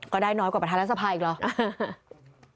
ได้น้อยกว่าประธานรัฐสภาอีกเหรอ